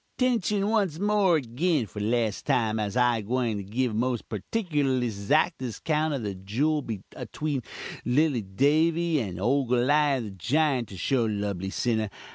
"'Tention once more agin, for lass time, as I'm gwyin to give most purtikurlust 'zactest 'count of the juul atween lilly Davy and ole Goliawh the jiunt, to show, lubly sinnah!